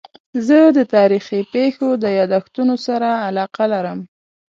زه د تاریخي پېښو د یادښتونو سره علاقه لرم.